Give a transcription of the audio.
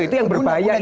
itu yang berbahaya itu